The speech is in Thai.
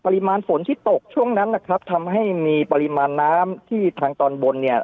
ฝนที่ตกช่วงนั้นนะครับทำให้มีปริมาณน้ำที่ทางตอนบนเนี่ย